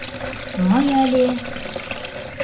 Мый але...